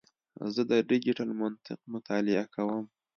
زه د ډیجیټل منطق مطالعه کوم.